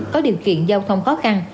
có điều kiện giao thông khó khăn